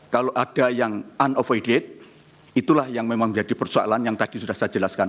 kalau ada yang unnovided itulah yang memang menjadi persoalan yang tadi sudah saya jelaskan